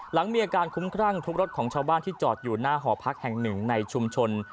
หลังมีอาการคุ้มครั่งทุบรถของชาวบ้านที่จอดอยู่หน้าหอพักแห่งหนึ่งในชุมชน